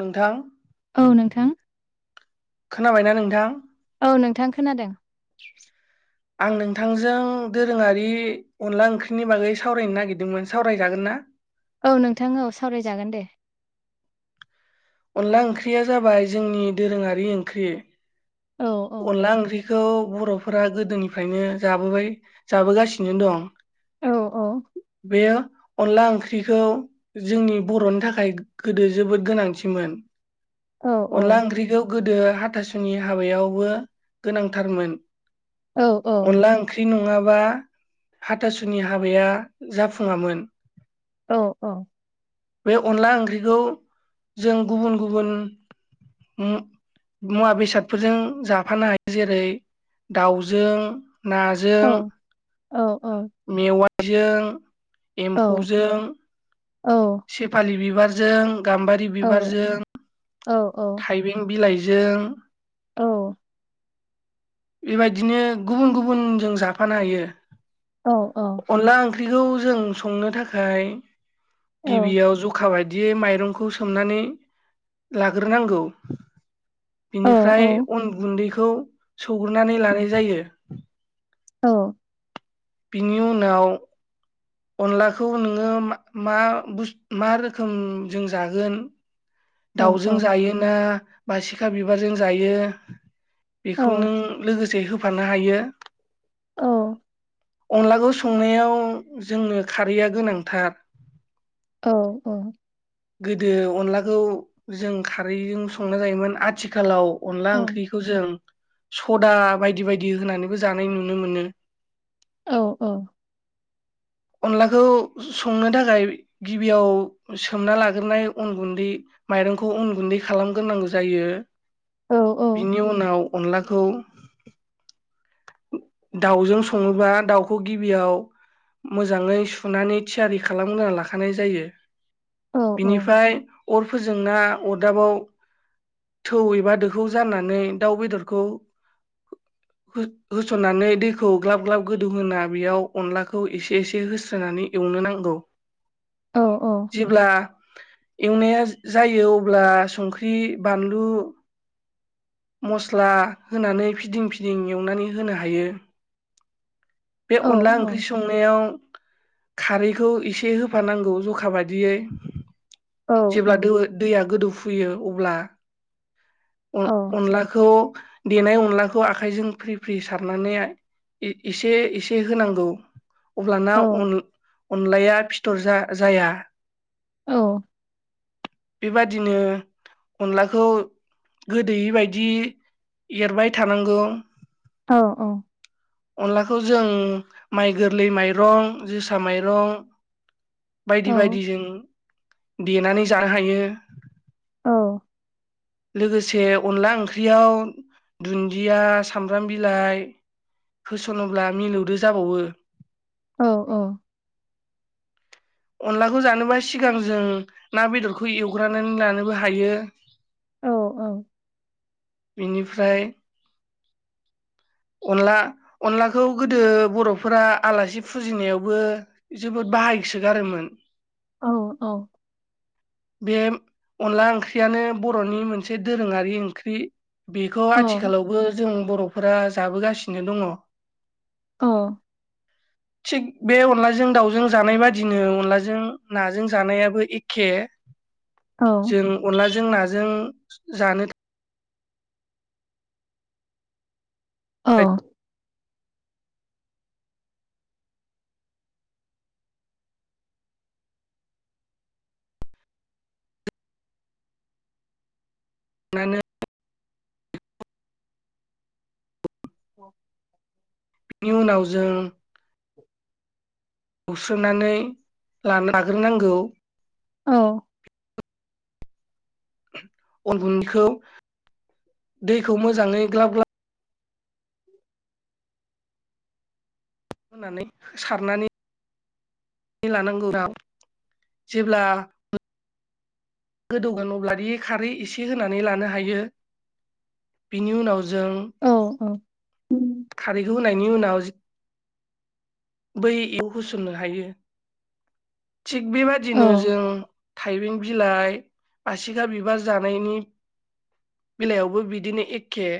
नोंथां औ नोंथां खोनाबायना नोंथां। औ नोंथां खोनादों आं नोंथांजों दोरोङारि अनला ओंख्रिनि बागै सावरायनो नागिरदोंमोन सावरायजागोन ना औ नोंथां औ सावरायजागोन दे अनला ओंख्रिया जाबाय जोंनि दोरोङारि ओंख्रि औ फोरा गोदोनिफ्रायनो जाबोबाय जाबोगासिनो दं। औ औ बेयो अनला ओंख्रि ख्रिखौ जोंनि बरनि थाखाय गोदो जोबोद गोनांथिमोन। औ अनला ओंख्रिखौ गोदो हाथासुनि हाबायाव बो गोनांथारमोन औ अनला ओंख्रि नंआव बा हाथासुनि हाबाया जाफुङामोन। औ औ बे अनला ओंख्रिखौ जों गुबुन गुबुन मु मुवा बेसादफोरजों जाफानो हायो जेरै दाउजों औ नाजों औ औ मेवाइजों औ एम्फौजों औ सेफालि बिबारजों गाम्बारि बिबारजों थाइबें बिलाइजो जों औ बेबायदिनो गुबुन गुबुनजों जाफानो हायो। अनला ओंख्रिखौ जों संनो थाखाय गिबियाव जखा बायदियै माइरंखौ सोमनानै लाग हाग्रोनांगौ बिनिफ्रायन अन गुन्दैखौ सौग्रोनानै लानाय जायो। औ बिनि उनाव अनलाखौ नोङो मा मा बुस रोखोम जों जागोन? दाउजों जायोना बा सिखा बिबारजों जायो। बेखौ नों लोगोसे होफानो हायो। अनलाखौ संनायाव जोंनो खारैया गोनांथार औ औ‌ गोदो अनलाखौ जों खारैजों संना जायोमोन आथिखालाव- अनला ओंख्रिखौ जों सदा बायदि बायदि होनानैबो जानाय नुनो मोनो। औ औ अनलाखौ संनो थाखाय गिबियाव सोमना लाग्रोनाय अन गुन्दै माइरंखौ उन गुन्दै खालामग्रोनांगौ जायो। बिनि उनाव अनलाखौ दाउजों सङोबा दाउखौ गिबियाव- मोजाङै सुनानै थियारि खालामगोना लाखानाय जायो बिनिफ्राय- अरफोरजों नना अरदाबाव- थौ एबा दोखौ जाननानै दाउ बेदरखौ- हो होसननानै दैखौ ग्लाब ग्लाब गोदौ होनोना बेयाव अनलाखौ एसे- एसे होस्रोनानै एवनो नांगौ जेब्ला- एवनाया जायो अब्ला संख्रि बानलु- मस्ला होनानै फिदिं फिदिं एवनानै होनो हायो। बे अनला ओंख्रि संनायाव खारैखौ एसे होफानांगौ जखा बायदि- बिदियै जेब्ला दो दैया गोदौफुयो अब्ला- अनलाखौ देनाय अनलाखौ आखायजों फ्रि फ्रि सारनानै एसे एसे होनांगौ- अब्लाना अनलाया फिथर जाया औ बेबादिनो अनलाखौ गोदोयै बायदि एरबाय थानांगौ औ औ अनलाखौ जों माइ गोरलै माइरं जोसा माइरं बायदि बायदिजों देनानै जानो हायो। औ लोगोसे अनला ओंख्रियाव दुनदिया सामब्राम बिलाइ होसनोब्ला मिलौदो जाबावो। औ औ। अनलाखौ जानोबा सिगां जों ना बेदरखौ एवग्रोनानै लानोबो हायो। औ औ। बेनिफ्राय अनला अनलाखौ गोदो बर'फोरा आलासि फुजिनायावबो जोबोद बाहायसो गारोमोन। औ औ बे अनला ओंख्रियानो बर'नि मोनसे दोरोङारि ओंख्रि। बेखौ औ आथिखालावबो जों बर'फोरा जाबोगासिनो दङ। अ। [inaudible] थिग बे अनलाजों दाउजों जानाय बादिनो अनलाजों नाजों जानायाबो एखे। औ जों अनलाजों नाजों जानो औ। थाखाय मानो औ। बिनि उनाव जों [inaudible] एवस्रोनानै ला-। लाग्रोनांगौ औ। अन गुनदैखौ दैखौ मोजाङै ग्लाब ग्लाब होनानै हो- सारनानै लानांगौ जेब्ला गोदौगोन अब्लादि खारै एसे होनानै लानो हायो बिनि उनाव जों औ उम, खारैखौ होनायनि उनाव बै याव होसननो हायो। थिग औ बेबादिनो जों थाइबें बिलाइ बासिखा बिबार जानायनि बेलायावबो बिदिनो एखे।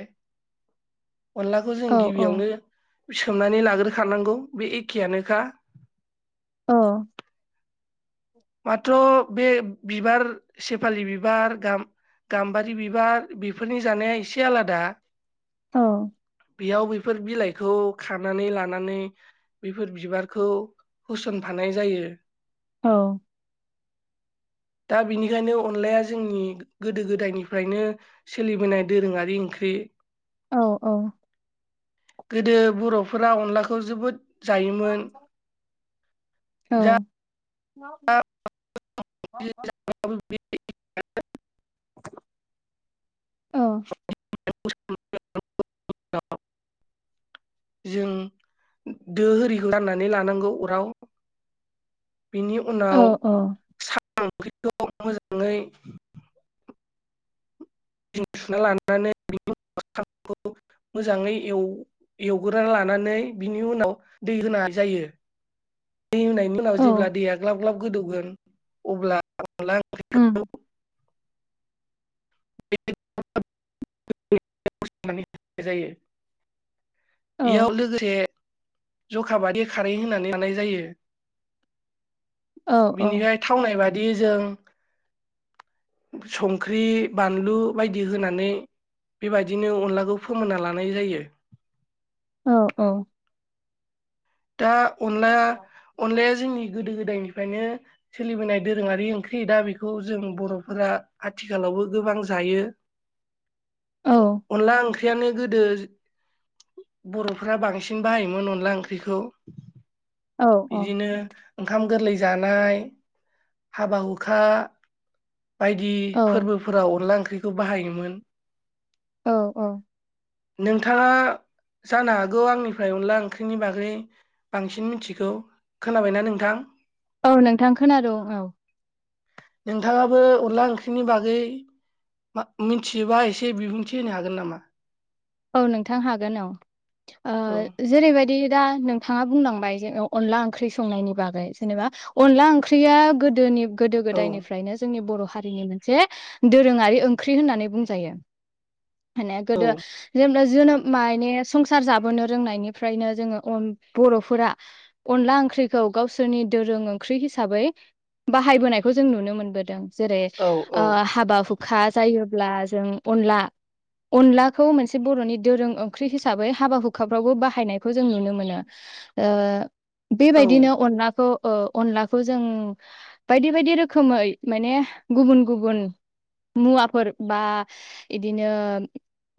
अनलाखौ जों औ गिबियावनो सोमनानै लाग्रोखानांगौ बे एखेयानोखा। औ। माथ्र' बे बिबार सेफालि बिबार गाम- गामबारि बिबार बेफोरनि जानाया एसे आलादा औ बेयाव बेफोर बिलाइखौ खानानै लानानै बेफोर बिबारखौ होसनफानाय जायो। औ। दा बेनिखायनो अनलाया जोंनि गोदो गोदायनिफ्रायनो सोलिबोनाय दोरोङारि ओंख्रि। औ औ। गोदो बर'फोरा अनलाखौ जोबोद जायोमोन। औ औ दा [unintelligible] [inaudible] [unintelligible] औ [inaudible] जों दो होरिखौ जाननानै लानांगौ अराव। बेनि उनाव साम' ओंख्रिखौ मोजाङै सुना लानानै [unintelligible] मोजाङै एव- एवग्रोना लानानै बिनि उनाव दै होनाय जायो। दै होनायनायनि उनाव जेब्ला दैया ग्लाब-ग्लाब गोदौगोन अब्ला [inaudible] [inaudible] जायो औ इयाव लोगोसे जखाबादि खारै होननानै लानाय जायो। औ बिनिफ्राय थावनाय बादि जों संख्रि, बानलु बायदि होनानै बेबायदिनो अनलाखौ फोमोनना लानाय जायो। औ औ दा अनलाया अनलाया जोंनि गोदो गोदायनिफ्रायनो सोलिबोनाय दोरोंङारि ओंख्रि, दा बेखौ जों बर'फोरा आथिखालावबो गोबां जायो [inaudible] अनला ओंख्रि ओंख्रियानो गोदो [inaudible] बर'फोरा बांसिन बाहायोमोन अनदला ओंख्रिखौ बिदिनो ओंखाम गोरलै जानाय, हाबा-हुखा, बायदि फोरबोफोराव अनला ओंख्रिखौ बाहायोमोन। औ औ नोंथांङा जानो हागौ आंनिफ्राय अनला ओंख्रिनि बा गै बांसिन मिथिगौ खोनाबायना नोंथां? औ नोंथां खोनादोंं औ। नोंथांङाबो अनला ओंख्रिनि बागै मिथियोबा एसे बिबुंथि होनो हागोन नामा? औ नोंथां हागोन औ औ जेरैबायदि दा नोंथाङा बुंलांबाय जोंङो अनला ओंख्रि संनायनि बागै जेनेबा अनला ओंख्रिया गोदोनि गोदो औ गोदायनिफ्रायनो जोंनि बर हारिनि मोनसे दोरोंङारि ओंख्रि होननानै बुंजायो। माने औ गोदो जोनोम माने संसार जाबोनो रोंनायनिफ्रायनो जोंङो अन बर'फोरा अनला ओंख्रिखौ गावसोरनि दोरों ओंख्रि हिसाबै बाहायबोनायखौ जों नुनो मोनबोदों। जेरै औ ओ औ हाबा हु खा जायोब्ला जों अनला अनलाखौ मोन से बर'नि दोरों ओंख्रि हिसाबै हाबा-हुखाफ्रावबो बाहायनायखौ जों नुनो मोनो। औ बेबायदिनो अनलाखौ ओ अनलाखौ जों बायदि बायदि रोखोमै माने गुबुन- गुबुन मुवाफोर बा बिदिनो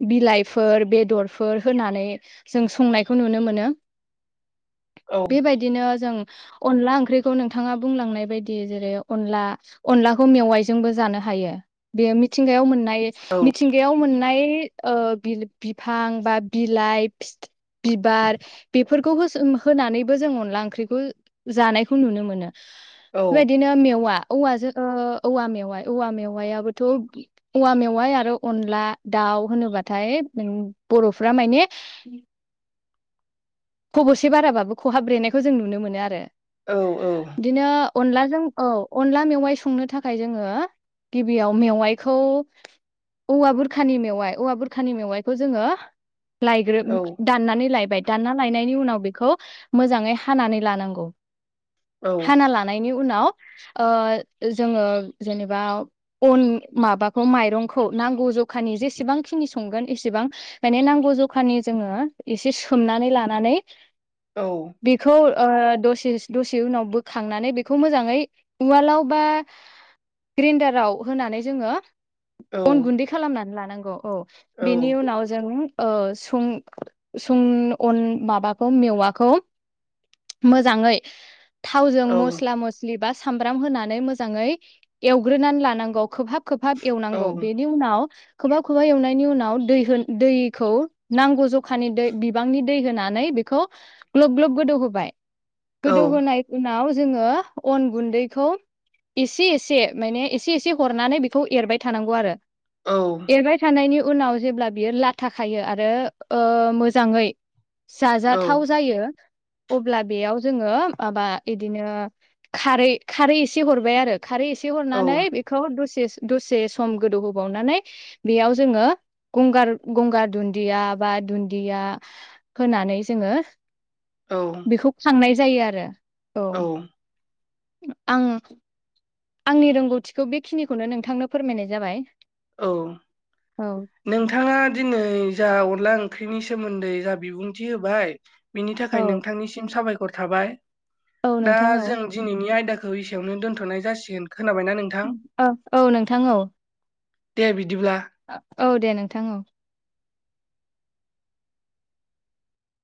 बिलाइ- फोर, बेदरफोर होनानै जों संनायखौ नुनो मोनो। औ बेबायदिनो जों अनला ओंख्रिखौ नोंथाङा बुंलांनाय बायदि जेरै अनला अनलाखौ मेवाइजोंबो जानो हा हायो बेयो मिथिंगायाव मोननाय औ मिथिंगायाव मोननाय ओ बि बिफां बा बिलाइ बिबार बेफोरखौ हो होनानैबो जों अनला ओंख्रिखौ जानायखौ नुनो मोनो औ बेबायदिनो मेवा औवाजों औवा मेवाइ औवा मेवायाबोथ' औवा मेवाइ आरो अनला दाउ होनोबाथाय बरफ्रा माने खबसे बाराबाबो खहाब्रेनायखौ जों नुनो मोनो आरो औ औ बिदिनो अनलाजों औ अनला मेवाइ संनो थाखाय जोंङो गिबियाव मेवाइखौ औवा बुरखानि मेवाइ औवा बुरखा खानि मेवाइखौ जोंङो लायग्रो दाननानै लायबाय दानना लायनायनि उनाव बेखौ मोजांङै हानानै लानांगौ औ हाना लानायनि उनाव उनाव ओ जोंङो जेनेबा अन माबाखौ मारंखौ नांगौ जखानि जेसेबांखिनि संगोन इसेबां माने नांगौ जखानि जोङो एसे सोमनानै लानानै बेखौ ओ दसे दसे उनाव बोखांनानै बेखौ मोजाङै उवालाव बा ग्रेन्डाराव होनानै जोङो अन औ गुन्दै खालामनानै लानांगौ औ। बेनि उनाव जों ओ सं सं अन माबाखौ मेवाखौ मोजाङै थावजों मस्ला मस्लि बा सामब्राम होनानै मोजाङै एवग्रोनानै लानांगौ। खोबहाब खोबहाब एवनांगौ बेनि उनाव खोबहाब खोबहाब एवनायनि उ नाव दै हो दैखौ नांगौ जखानि दै बिबांनि दै होनानै बेखौ ग्लब ग्लब गोदौ होबाय। गोदौ होनाय उनाव जोंङो अन गुन्दैखौ एसे एसे माने एसे एसे हरनानै बेखौ एरबाय थानांगौ आरो एरबाय थानायनि उनाव जेब्ला बियो लाथाखायो आरो ओ मोजाङै जाजाथाव जायो अब्ला बेयाव जोङो माबा इदिनो खारै खारै एसे हरबाय आरो खारै एसे हरनानै बेखौ दसे दसे सम गोदौहोबावनानै बेयाव जोङो गंगार गंगार दुन्दिया बा दुन्दिया होनानै जोङो औ बेखौ खांनाय जायो आरो औ। आं आंनि रोंगौथिखौ बेखिनिखौनो नोंथांनो फोरमायनाय जाबाय। औ। औ नोंथाङा दिनै जा अनला ओंख्रिनि सोमोन्दै जा बिबुंथि होबाय बिनि औ थाखाय नोंथांनिसिम साबायखर थाबाय। औ दा नोंथां औ जों दिनैनि आयदा खौ इसेयावनो दोनथ'नाय जासिगोन। खोनाबायना नोंथां उम औ औ नोंथां औ। दे बिदिब्ला। औ दे नोंथां औ।